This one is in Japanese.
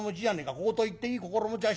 小言言っていい心持ちはしねえ。